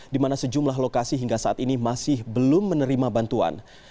di mana sejumlah lokasi hingga saat ini masih belum menerima bantuan